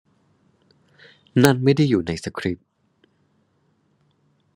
นั่นไม่ได้อยู่ในสคริปต์